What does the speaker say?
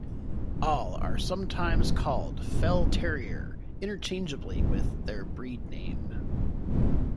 All are sometimes called "Fell Terrier" interchangeably with their breed name.